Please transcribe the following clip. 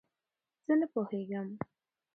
زه نه پوهېږم